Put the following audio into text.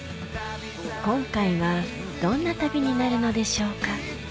今回はどんな旅になるのでしょうか？